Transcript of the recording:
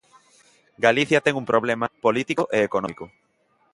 Galicia ten un problema político e económico.